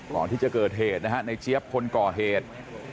ก่อนที่จะเกิดเหตุนะฮะในเจี๊ยบคนก่อเหตุ